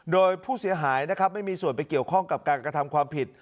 โดยผู้เสียหายนะครับไม่มีส่วนไปเกี่ยวข้องกับการกระทำความผิด